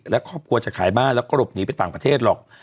และครอบครัวจะขายบ้านแล้วก็หลบหนีไปต่างประเทศหรอก